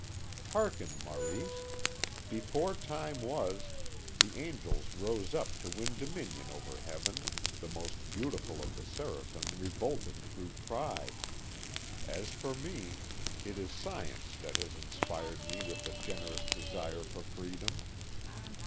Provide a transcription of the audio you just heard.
_' Hearken, Maurice. Before Time was, the Angels rose up to win dominion over Heaven, the most beautiful of the Seraphim revolted through pride. As for me, it is science that has inspired me with the generous desire for freedom.